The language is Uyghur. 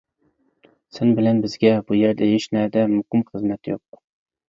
سەن بىلەن بىزگە بۇ يەردە ھېچنەدە مۇقىم خىزمەت يوق.